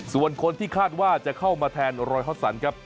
ส่วนคนที่คาดว่าจะเข้ามาแทนรอยฮอตสันครับ